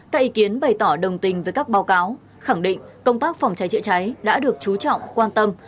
các ý kiến bày tỏ đồng tình với các báo cáo khẳng định công tác phòng cháy chữa cháy đã được chú trọng quan tâm